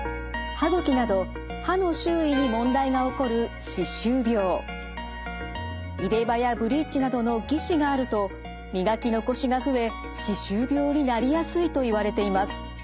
歯ぐきなど歯の周囲に問題が起こるなどの義歯があると磨き残しが増え歯周病になりやすいといわれています。